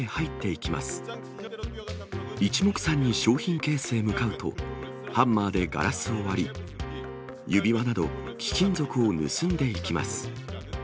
いちもくさんに商品ケースに向かうと、ハンマーでガラスを割り、指輪など貴金属を盗んでいきます。